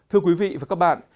thưa quý vị và các bạn